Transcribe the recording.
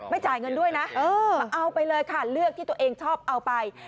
จ่ายเงินด้วยนะเอาไปเลยค่ะเลือกที่ตัวเองชอบเอาไป